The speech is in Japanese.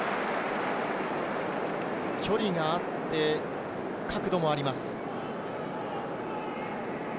距離があって、角度もあります。